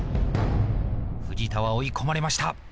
藤田は追い込まれました。